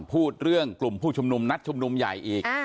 พูดเรื่องกลุ่มผู้ชุมนุมนัดชุมนุมใหญ่อีก